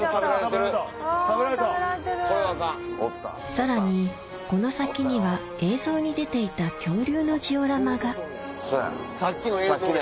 さらにこの先には映像に出ていた恐竜のジオラマがさっきの映像の。